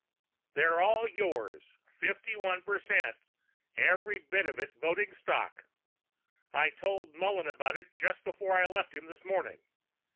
"They're all yours. Fifty one percent, every bit of it voting stock. I told Murlin about it just before I left him this morning.